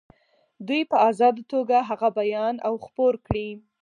دوی په آزاده توګه هغه بیان او خپور کړي.